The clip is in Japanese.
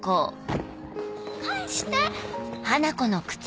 返して！